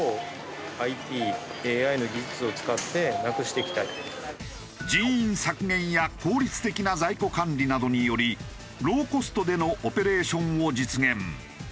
そこにかかっている人員削減や効率的な在庫管理などによりローコストでのオペレーションを実現。